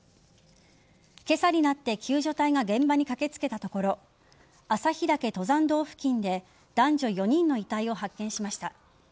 今朝になって救助隊が現場に駆けつけたところ朝日岳登山道付近で男女４人の遺体を発見しました。